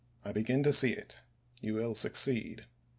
I begin to see it. You will succeed.